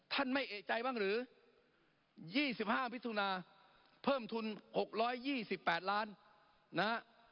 ท่านไม่เอกใจบ้างหรือ๒๕พิธุนาคมเพิ่มทุน๖๒๘ล้านนะ